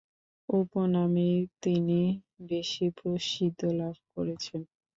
উপনামেই তিনি বেশী প্রসিদ্ধি লাভ করেছেন।